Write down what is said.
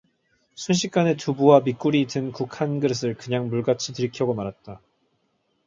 순식간에 두부와 미꾸리 든 국 한 그릇을 그냥 물같이 들이켜고 말았다.